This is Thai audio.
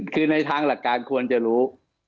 คือในทางหลักการควรจะรู้